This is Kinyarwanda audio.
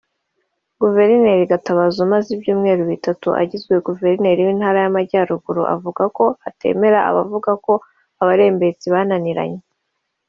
Guverineri Gatabazi umaze ibyumweru bitatu agizwe Guverineri w’Intara y’Amajyaruguru avuga ko atemera abavuga ko “Abarembetsi” bananiranye